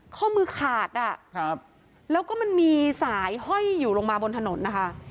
ข้อมือขาดอ่ะครับแล้วก็มันมีสายห้อยอยู่ลงมาบนถนนนะคะ